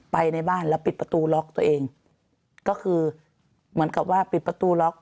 ในบ้านแล้วปิดประตูล็อกตัวเองก็คือเหมือนกับว่าปิดประตูล็อก